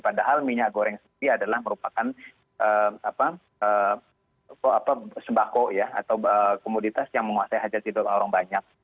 padahal minyak goreng sendiri adalah merupakan sembako ya atau komoditas yang menguasai hajat hidup orang banyak